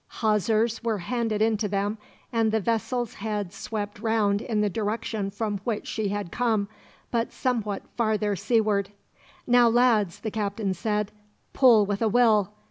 Hawsers were handed into them, and the vessel's head swept round in the direction from which she had come, but somewhat farther seaward. "Now, lads," the captain said, "pull with a will.